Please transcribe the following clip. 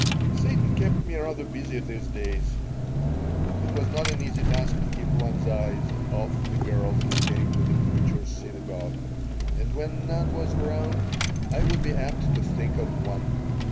Satan kept me rather busy these days. It was not an easy task to keep one's eyes off the girls who came to the Preacher's Synagogue, and when none was around I would be apt to think of one.